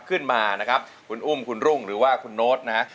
ขึ้นมานะครับคุณอุ้มคุณรุ่งหรือว่าคุณโน๊ตนะฮะ